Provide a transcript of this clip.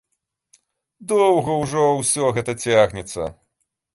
Доўга ўжо ўсё гэта цягнецца.